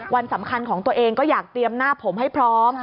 วันสำคัญของตัวเองก็อยากเตรียมหน้าผมให้พร้อม